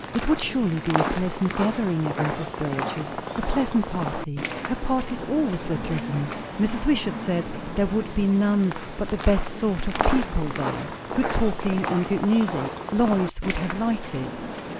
It would surely be a pleasant gathering at Mrs. Burrage's, a pleasant party; her parties always were pleasant, Mrs. Wishart said; there would be none but the best sort of people there, good talking and good music; Lois would have liked it.